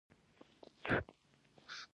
ایا ورسره لوبې کوئ؟